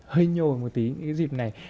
hơi nhồi một tí cái dịp này